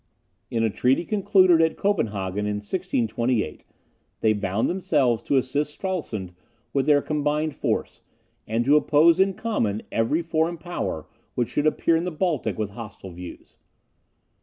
In a treaty concluded at Copenhagen in 1628, they bound themselves to assist Stralsund with their combined force, and to oppose in common every foreign power which should appear in the Baltic with hostile views.